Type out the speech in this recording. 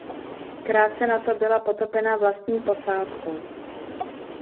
Krátce nato byla potopena vlastní posádkou.